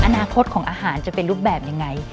อนาคตของอาหารจะเป็นรูปแบบยังไง